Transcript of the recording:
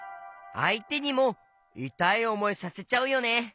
あいてにもいたいおもいさせちゃうよね。